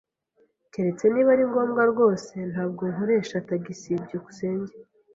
Keretse niba ari ngombwa rwose, ntabwo nkoresha tagisi. byukusenge